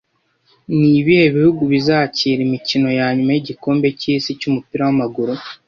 Nibihe bihugu bizakira imikino yanyuma yigikombe cyisi cyumupira wamaguru